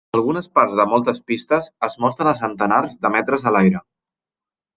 Algunes parts de moltes pistes es mostren a centenars de metres a l’aire.